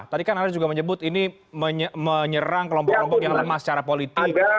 tadi kan anda juga menyebut ini menyerang kelompok kelompok yang lemah secara politik